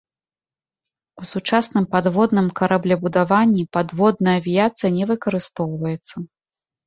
У сучасным падводным караблебудаванні падводная авіяцыя не выкарыстоўваецца.